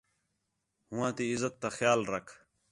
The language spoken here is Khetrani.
ہو ہاں تی عِزت تا خیال رکھ